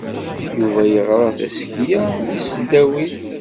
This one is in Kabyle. Yuba yeɣra tasekla deg tesdawit.